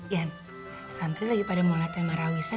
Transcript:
yan santri lagi pada mau liat tema rawisan